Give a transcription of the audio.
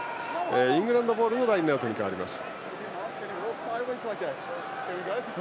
イングランドボールのラインアウトです。